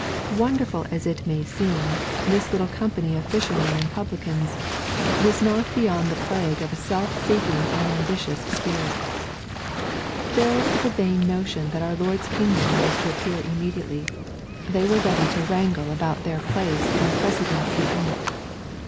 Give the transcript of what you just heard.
Wonderful as it may seem, this little company of fishermen and publicans was not LUKE, CHAP. IX. 327 beyond the plagae of a self seeking and ambitious spirit. Filled with the vain notion that our Lord's kingdom was to appear immediately, they were ready to wrangle about their place and precedency in it.